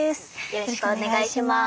よろしくお願いします。